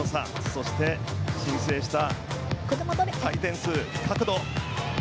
そして申請した回転数、角度。